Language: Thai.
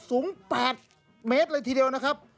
สูง๘เมตรเลยทีเดียวนะครับ